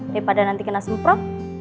daripada nanti kena sempro